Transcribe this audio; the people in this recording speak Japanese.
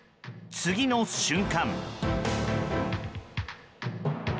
次の瞬間。